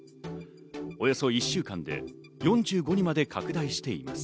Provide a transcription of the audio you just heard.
およそ１週間で４５にまで拡大しています。